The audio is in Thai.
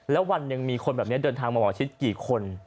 แล้ววันหนึ่งมีคนแบบนี้เดินทางมาหมอชิดกี่คน